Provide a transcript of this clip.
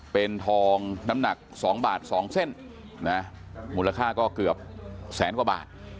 เป็นทองน้ำหนัก๒บาท๒เส้นนะมูลค่าก็เกือบแสนกว่าบาท